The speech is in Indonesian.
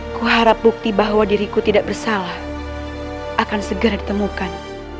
kuharap bukti bahwa diriku tidak bersalah akan segera ditemukan